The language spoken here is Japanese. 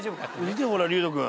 見てほら龍友君。